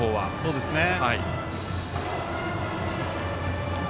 そうですね。